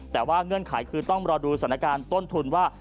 แต่ว่าเงื่อนไขคือต้องรอดูสถานการณ์ต้นทุนว่า